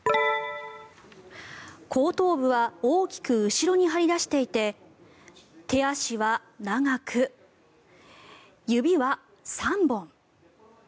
後頭部は大きく後ろに張り出していて手足は長く、指は３本。